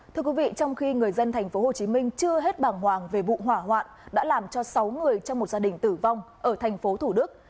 thưa quý vị trong khi người dân thành phố hồ chí minh chưa hết bảng hoàng về vụ hỏa hoạn đã làm cho sáu người trong một gia đình tử vong ở thành phố thủ đức